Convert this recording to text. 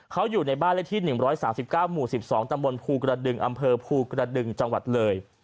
เขาอยู่ในบ้านเลขที่๑๓๙หมู่๑๒ตำบลภูกระดึงอำเภอภูกระดึงจังหวัดเลย